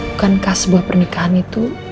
bukankah sebuah pernikahan itu